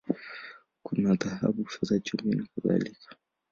Kuna dhahabu, fedha, chumvi, na kadhalika.